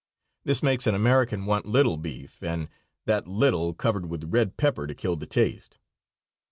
This makes an American want little beef, and that little covered with red pepper to kill the taste.